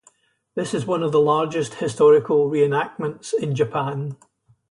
This is one of the largest historical reenactments in Japan.